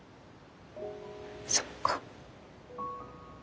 そっか。